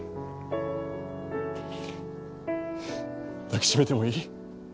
抱きしめてもいい？